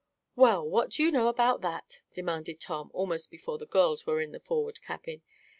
"Well, what do you know about that?" demanded Tom, almost before the girls were in the forward cabin.